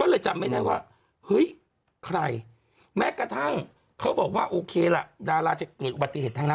ก็เลยจำไม่ได้ว่าเฮ้ยใครแม้กระทั่งเขาบอกว่าโอเคล่ะดาราจะเกิดอุบัติเหตุทางนั้น